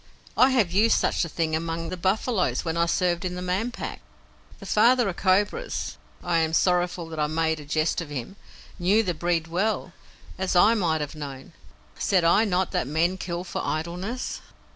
"I have used such a thing among the buffaloes when I served in the Man Pack. The Father of Cobras I am sorrowful that I made a jest of him knew the breed well, as I might have known. Said I not that men kill for idleness?"